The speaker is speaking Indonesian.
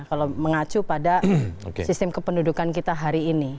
kalau mengacu pada sistem kependudukan kita hari ini